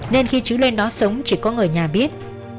nên khi chú lên đó sống chỉ có người nhà biết